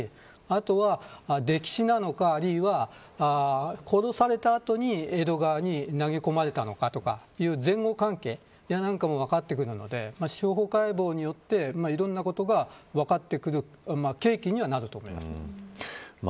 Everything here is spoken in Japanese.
そうすると事件性が出てくるだろうしあとは溺死なのか、あるいは殺された後に江戸川に投げ込まれたのかとか前後関係や何かも分かってくるので司法解剖によっていろんなことが分かってくる契機にはなると思います。